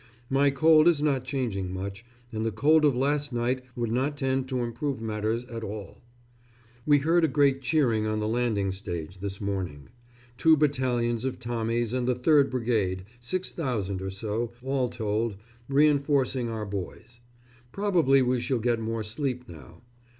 My cold is not changing much, and the cold of last night would not tend to improve matters at all.... We heard a great cheering on the landing stage this morning. Two battalions of Tommies and the 3rd Brigade, 6000 or so, all told, reinforcing our boys. Probably we shall get more sleep now.